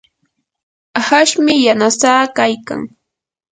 ahashmi yanasaa kaykan.